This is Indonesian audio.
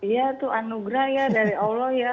ya itu anugerah ya dari allah ya